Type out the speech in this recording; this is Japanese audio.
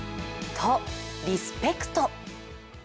とリスペクト。